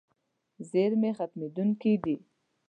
زیرمې ختمېدونکې دي.